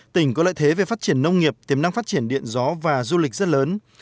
tỉnh có lợi thế về phát triển nông nghiệp tiềm năng phát triển điện gió và du lịch rất lớn